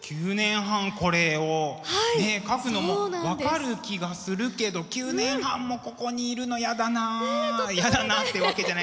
９年半これをね描くのも分かる気がするけど９年半もここにいるのやだな。